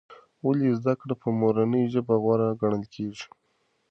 ولې زده کړه په مورنۍ ژبه غوره ګڼل کېږي؟